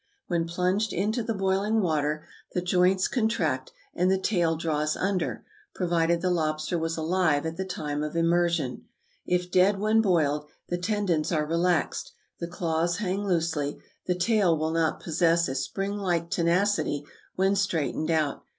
When plunged into the boiling water, the joints contract, and the tail draws under, provided the lobster was alive at the time of immersion. If dead when boiled, the tendons are relaxed, the claws hang loosely, the tail will not possess a spring like tenacity when straightened out.